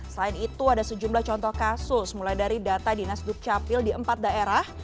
selain itu ada sejumlah contoh kasus mulai dari data dinas dukcapil di empat daerah